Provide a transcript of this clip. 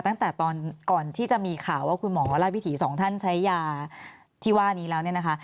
ตั้งแต่ตอนก่อนที่จะมีข่าวว่าคุณหมอราชวิถีสองท่านใช้ยาที่ว่านี้แล้วเนี่ยนะคะ